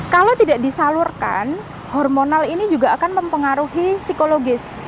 kalau tidak disalurkan hormonal ini juga akan mempengaruhi psikologis